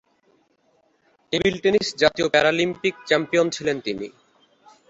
Table টেনিসে জাতীয় Paralympic champion ছিলেন তিনি।